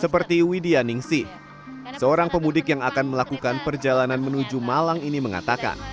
seperti widya ningsih seorang pemudik yang akan melakukan perjalanan menuju malang ini mengatakan